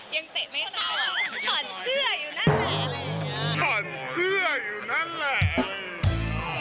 ยังเตะไม่เข้าถอดเสื้ออยู่นั่นแหล่ง